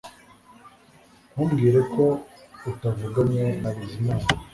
Ntumbwire ko utavuganye na Bizimana